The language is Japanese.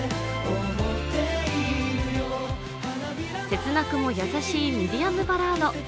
切なくも優しいミディアムバラード。